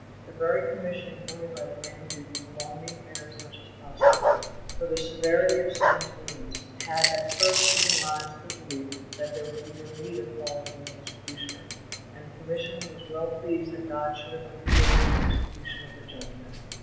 The very commission appointed by the grand duke prolonged the affair as much as possible; for the severity of Sand's wounds had at first given rise to the belief that there would be no need of calling in the executioner, and the commission was well pleased that God should have undertaken the execution of the judgment.